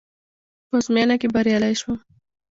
په ازموينه کې بريالی شوم.